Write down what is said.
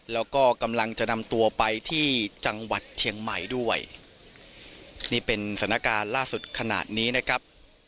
แล้วก็กำลังจะนำตัวไปที่จังหวัดเชียงใหม่ด้วยนี่เป็นสถานการณ์ล่าสุดขนาดนี้นะครับ